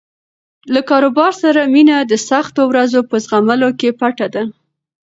له کاروبار سره مینه د سختو ورځو په زغملو کې پټه ده.